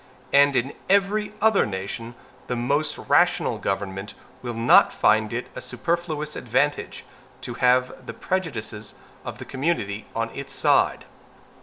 And in every other nation, the most rational government will not find it a superfluous advantage to have the prejudices of the community on its side.